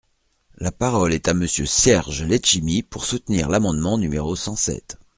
La parole est à Monsieur Serge Letchimy, pour soutenir l’amendement numéro cent sept.